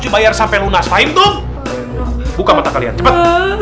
dibayar sampai lunas fahim tuh buka mata kalian cepet